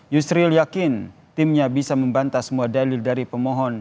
yusril yakin timnya bisa membantah semua dalil dari pemohon